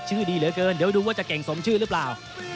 ดีเหลือเกินเดี๋ยวดูว่าจะเก่งสมชื่อหรือเปล่า